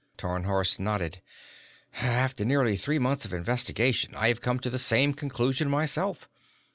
Tarnhorst nodded. "After nearly three months of investigation, I have come to the same conclusion myself.